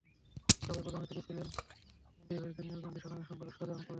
সভায় প্রধান অতিথি ছিলেন এনডিএফের কেন্দ্রীয় কমিটির সহসাধারণ সম্পাদক শাহজাহান কবির।